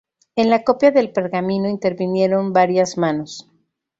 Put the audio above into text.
En la copia del pergamino intervinieron varias manos.